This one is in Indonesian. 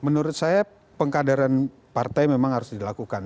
menurut saya pengkaderan partai memang harus dilakukan